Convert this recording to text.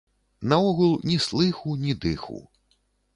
Наогул ні слыху, ні дыху.